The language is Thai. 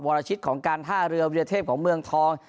รชิตของการท่าเรือวิทยาเทพของเมืองทอง